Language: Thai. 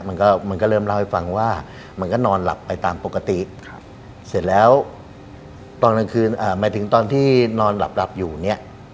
มันก็เริ่มเล่าให้ฟังว่ามันก็นอนหลับไปตามปกติเสร็จแล้วไม่ถึงตอนที่นอนหลับอยู่นี้